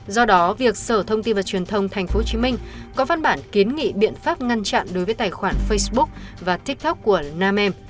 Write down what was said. do đó việc sở thông tin và truyền thông tp hcm có văn bản kiến nghị biện pháp ngăn chặn đối với tài khoản facebook và tiktok của nam em